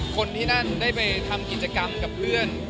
คนที่นั่นได้ไปทำกิจกรรมกับเพื่อน